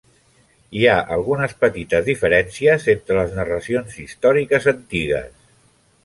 Hi ha algunes petites diferències entre les narracions històriques antigues.